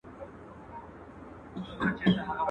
اول مړانه په سيالي وه، اوس سپيتانه په سيالي ده.